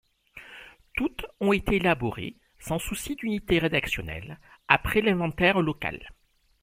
Toutes ont été élaborées, sans souci d’unité rédactionnelle, après l’inventaire local.